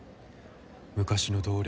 昔の同僚